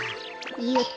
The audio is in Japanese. よっと。